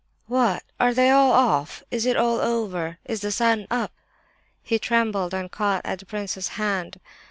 "What! are they all off? Is it all over? Is the sun up?" He trembled, and caught at the prince's hand.